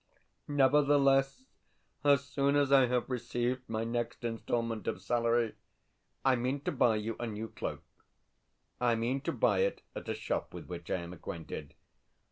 Nevertheless, as soon as I have received my next instalment of salary I mean to buy you a new cloak. I mean to buy it at a shop with which I am acquainted.